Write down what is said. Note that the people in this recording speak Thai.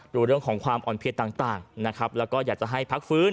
ดูเรื่องของความอ่อนเพลียต่างนะครับแล้วก็อยากจะให้พักฟื้น